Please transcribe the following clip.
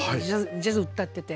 ジャズ歌ってて。